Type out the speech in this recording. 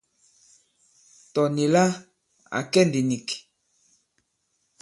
Tɔ̀ nì la à kɛ ndī nik.